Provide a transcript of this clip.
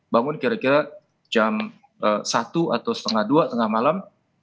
bangun kira kira jam satu atau setengah dua tengah malam